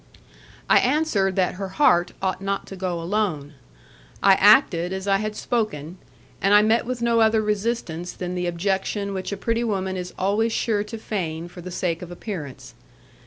I answered that her heart ought not to go alone; I acted as I had spoken, and I met with no other resistance than the objection which a pretty woman is always sure to feign for the sake of appearance.